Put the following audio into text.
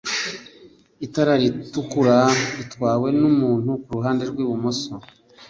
Itara ritukura ritwawe n’ umuntu kuruhande rw’ ibumoso